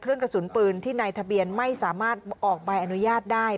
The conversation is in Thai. กระสุนปืนที่ในทะเบียนไม่สามารถออกใบอนุญาตได้